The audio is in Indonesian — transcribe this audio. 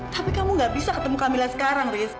tapi kamu nggak bisa ketemu kamilah sekarang ris